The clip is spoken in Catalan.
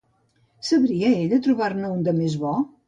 Sabria ella trobar-ne un de més bo?